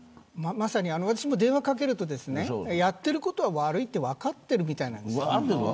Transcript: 私も電話を掛けるとやってることは悪いと分かっているみたいなんです。